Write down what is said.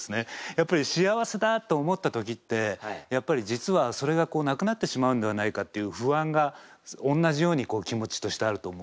やっぱり幸せだと思った時って実はそれがなくなってしまうんではないかっていう不安がおんなじように気持ちとしてあると思うんですよね。